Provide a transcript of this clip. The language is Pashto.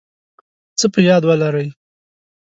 څه په یاد ولرئ